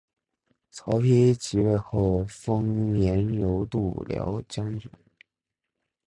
曹丕即位后封阎柔度辽将军。